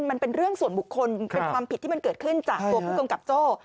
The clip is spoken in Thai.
มันเป็นเรื่องส่วนบุคคลเป็นความผิดที่มันเกิดขึ้นจากตัวผู้กำกับโจ้